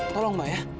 tolong mbak ya